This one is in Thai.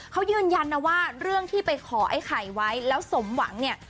เขายืนยันนะว่าเรื่องที่ไปขอไอ้ไข่ไว้แล้วสมหวังเนี่ย